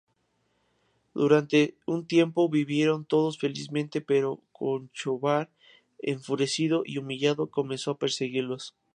Durante un tiempo vivieron todos felizmente, pero Conchobar, enfurecido y humillado, comenzó a perseguirlos.